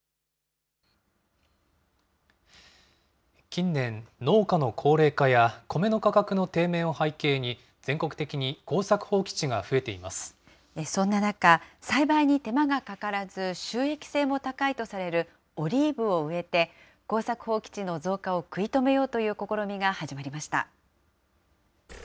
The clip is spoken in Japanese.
近年、農家の高齢化や米の価格の低迷を背景に、全国的に耕作放棄地が増そんな中、栽培に手間がかからず、収益性も高いとされるオリーブを植えて、耕作放棄地の増加を食い止めようという試みが始まりました。